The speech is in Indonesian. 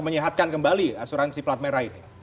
menyehatkan kembali asuransi plat merah ini